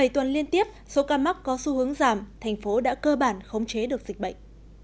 bảy tuần liên tiếp số ca mắc có xu hướng giảm thành phố đã cơ bản khống chế được dịch bệnh